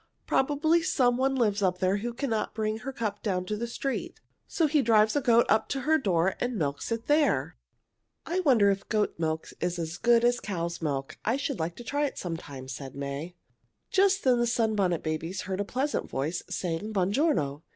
Probably some one lives up there who cannot bring her cup down to the street, so he drives a goat up to her door and milks it there." "I wonder if goat's milk is as good as cow's milk. I should like to try it some time," said May. Just then the Sunbonnet Babies heard a pleasant voice saying, "Buon giorno!"